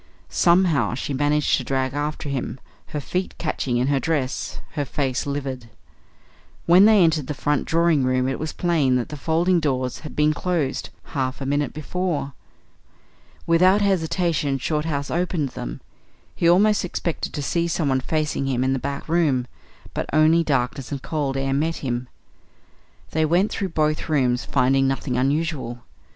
Somehow she managed to drag after him, her feet catching in her dress, her face livid. When they entered the front drawing room it was plain that the folding doors had been closed half a minute before. Without hesitation Shorthouse opened them. He almost expected to see someone facing him in the back room; but only darkness and cold air met him. They went through both rooms, finding nothing unusual.